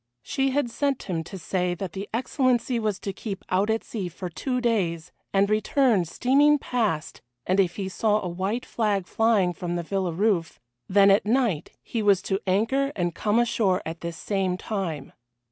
She had sent him to say that the Excellency was to keep out at sea for two days, and return steaming past, and if he saw a white flag flying from the villa roof, then at night he was to anchor and come ashore at this same time.